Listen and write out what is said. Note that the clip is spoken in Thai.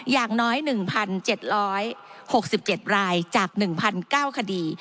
อย่างน้อย๑๗๖๗รายจาก๑๙คดี